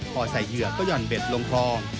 พอใส่เหยื่อก็ห่อนเบ็ดลงคลอง